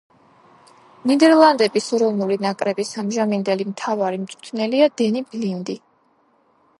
ნიდერლანდების ეროვნული ნაკრების ამჟამინდელი მთავარი მწვრთნელია დენი ბლინდი.